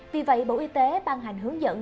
vì vậy bộ y tế ban hành hướng dẫn